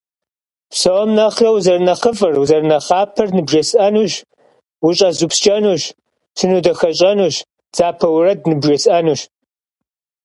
Псом нэхъырэ узэрынэхъыфӏыр, узэрынэхъапэр ныбжесӏэнущ, ущӏэзупскӏэнущ, сынодахэщӏэнущ, дзапэ уэрэд ныбжесӏэнущ.